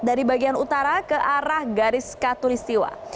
dari bagian utara ke arah garis katolistiwa